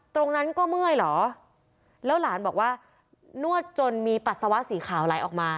ตรงนั้นก็เมื่อยเหรอแล้วหลานบอกว่านวดจนมีปัสสาวะสีขาวไหลออกมา